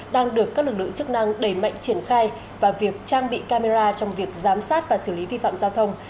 đang được các lực lượng chức năng đẩy mạnh triển khai và việc trang bị camera trong việc giám sát và xử lý vi phạm giao thông